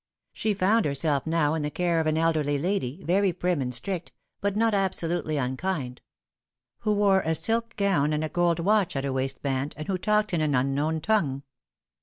She found herself now in the care of an elderly lady, very prim and strict, but not absolutely unkind ; who wore a silk gown, and a gold watch at her waistband, and who talked in an un known tongue.